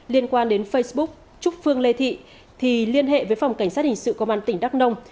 liên quan đến facebook trúc phương lê thị thì liên hệ với phòng cảnh sát hình sự công an tỉnh đắk nông